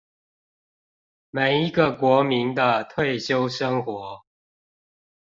每一個國民的退休生活